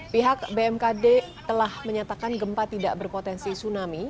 pihak bmkd telah menyatakan gempa tidak berpotensi tsunami